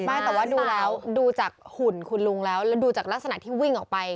ไม่แต่ว่าดูแล้วดูจากหุ่นคุณลุงแล้วแล้วดูจากลักษณะที่วิ่งออกไป